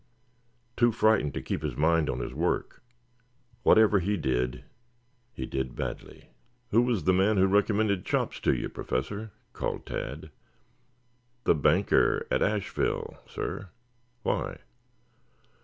Too frightened to keep his mind on his work, whatever he did he did badly. "Who was the man who recommended Chops to you, Professor?" called Tad. "The banker at Asheville, sir. Why?"